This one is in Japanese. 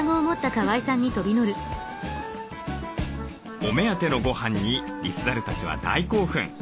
お目当てのごはんにリスザルたちは大興奮。